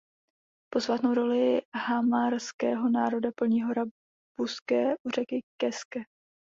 Posvátnou roli hamarského národa plní hora Buske u řeky Keske.